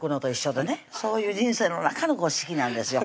そういう人生の中の四季なんですよ